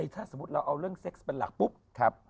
ถ้าสมมุติเราเอาเรื่องเซ็กซ์เป็นหลักปุ๊บ